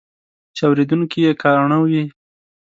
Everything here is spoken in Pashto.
چې اورېدونکي یې کاڼه وي.